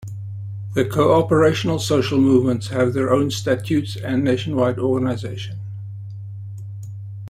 The cooperational social movements have their own statutes and nationwide organization.